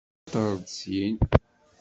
Aṭer-d syin!